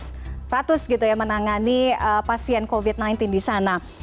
sudah berusia ratus ratus gitu ya menangani pasien covid sembilan belas di sana